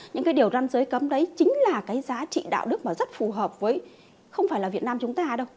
những điều răn giới cấm đấy chính là giá trị đạo đức rất phù hợp với không phải việt nam chúng ta đâu